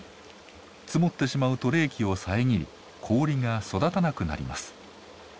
積もってしまうと冷気を遮り氷が育たなくなります。